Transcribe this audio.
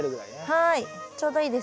はい。